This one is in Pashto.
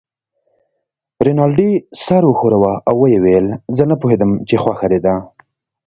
رینالډي سر و ښوراوه او ویې ویل: زه نه پوهېدم چې خوښه دې ده.